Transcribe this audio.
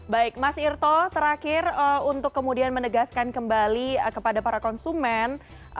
baik mas irto terakhir untuk kemudian menegaskan kembali kepada para konsumen